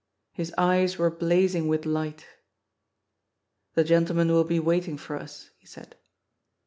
His eyes were blazing with light The gentlemen will be waiting for nsi" he said.